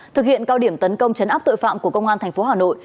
thực hiện cao điểm tấn công chấn áp tội phạm của công an tp hà nội